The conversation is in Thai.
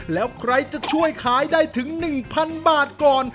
แล้วใครจะช่วยขายได้ถึง๑๐๐๐บาทก่อน